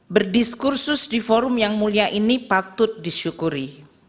berdiskursus di forum yang mulia ini patut disyukuri